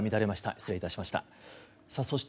失礼いたしました。